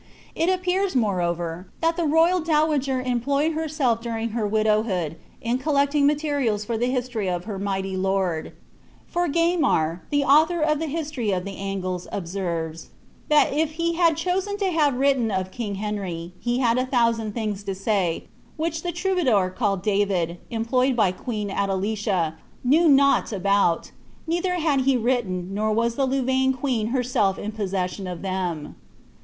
It appears, moreover, that the ro\*al dowager employed herself during her widowhood in collecting materials for the history of her mighty lord ; for Gaimar^ the author of the history of the Angles, observes, ^ that if he had chosen to have written of king Henry, he had a thousand things to say, which the Inmbadour called David, employed by queen Adelicia, knew nought about ; neither had he written, nor was the Louvaine queen herself iu possession of them.''